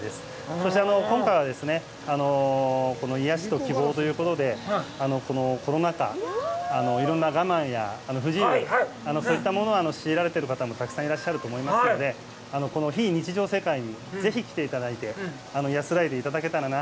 そして今回は、この「癒やし」と「希望」ということで、このコロナ禍、いろんな我慢や不自由、そういったものを強いられている方もたくさんいらっしゃると思いますので、この非日常世界にぜひ来ていただいて、安らいでいただけたらな。